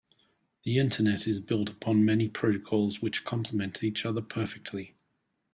The internet is built upon many protocols which compliment each other perfectly.